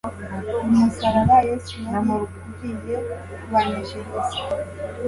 Ku musaraba, Yesu yari agiye kubaneshereza;